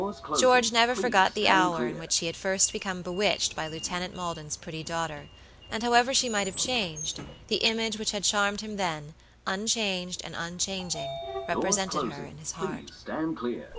George never forgot the hour in which he had first become bewitched by Lieutenant Maldon's pretty daughter, and however she might have changed, the image which had charmed him then, unchanged and unchanging, represented her in his heart.